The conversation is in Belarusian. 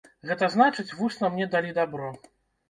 Гэта значыць, вусна мне далі дабро.